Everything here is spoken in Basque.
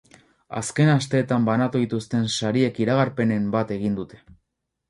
Azken asteetan banatu dituzten sariek iragarpenen bat egin dute.